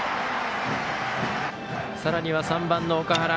さらには３番の岳原。